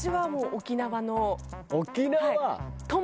沖縄！